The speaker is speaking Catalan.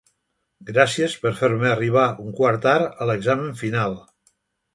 Gràcies per fer-me arribar un quart tard a l'examen final.